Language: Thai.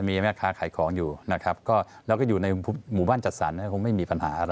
มีแม่ค้าขายของอยู่นะครับก็แล้วก็อยู่ในหมู่บ้านจัดสรรคงไม่มีปัญหาอะไร